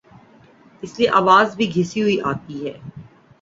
اس لئے آواز بھی گھسی ہوئی آتی ہے۔